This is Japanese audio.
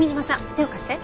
手を貸して。